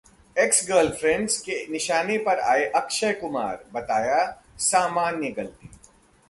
ex-girlfriends के निशाने पर आए अक्षय कुमार, बताया- सामान्य गलती